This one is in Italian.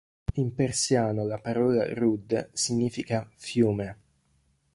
In persiano la parola "Rud" significa "fiume".